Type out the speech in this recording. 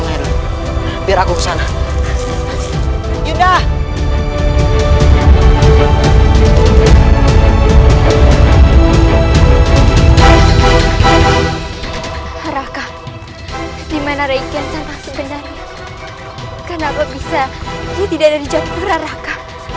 bagaimana bisa dia tidak ada di japura raka